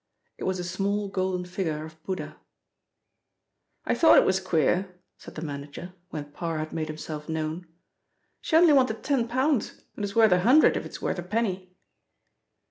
It was a small golden figure of Buddha. "I thought it queer," said the manager, when Parr had made himself known. "She only wanted ten pounds and it is worth a hundred if it's worth a penny."